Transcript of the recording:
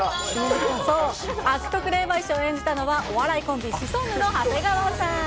そう、悪徳霊媒師を演じたのはお笑いコンビ、シソンヌの長谷川さん。